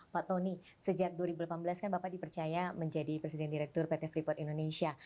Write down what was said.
pak tony sejak dua ribu delapan belas kan bapak dipercaya menjadi presiden direktur pt freeport indonesia